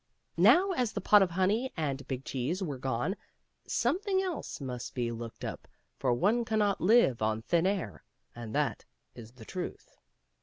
Now, as the pot of honey and big cheese were gone, something else must be looked up, for one cannot live on thin air, and that is the truth.